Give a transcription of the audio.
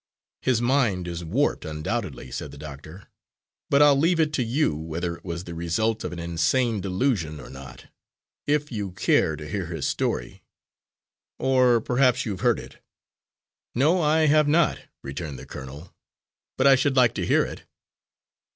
"His mind is warped, undoubtedly," said the doctor, "but I'll leave it to you whether it was the result of an insane delusion or not if you care to hear his story or perhaps you've heard it?" "No, I have not," returned the colonel, "but I should like to hear it."